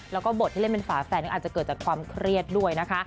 แล้วก็บทที่เล่นเป็นฝาแฝดอาจจะเกิดจากความเครียดด้วยนะคะ